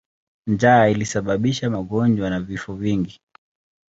Njaa ilisababisha magonjwa na vifo vingi.